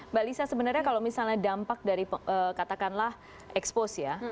mbak lisa sebenarnya kalau misalnya dampak dari katakanlah expose ya